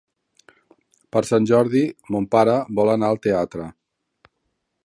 Per Sant Jordi mon pare vol anar al teatre.